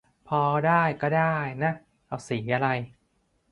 พอได้ก็ด้ายนะ เอาสีอะไร